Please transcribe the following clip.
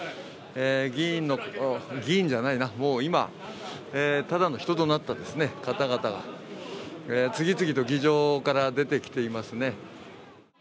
議員議員じゃないな、もう今、ただの人となった方々が次々と議場から出てきていますね。